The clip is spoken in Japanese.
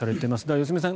良純さん